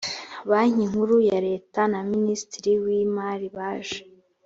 banki nkuru ya leta na minisitiri w imari baje